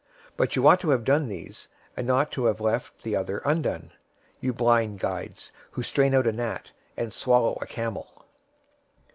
But you ought to have done these, and not to have left the other undone. 023:024 You blind guides, who strain out a gnat, and swallow a camel!